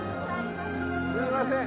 すいません。